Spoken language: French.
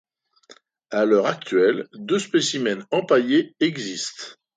À l'heure actuelle, deux spécimens empaillés existent.